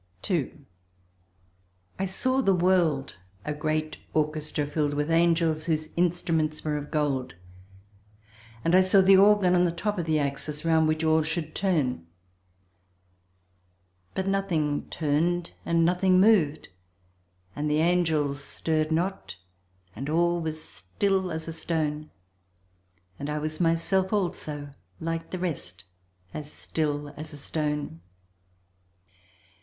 ii I saw the world a great orchestra filled with angels whose instruments were of gold. And I saw the organ on the top of the axis round which all should turn, but nothing turned and nothing moved and the angels stirred not and all was as still as a stone, and I was myself also, like the rest, as still as a stone.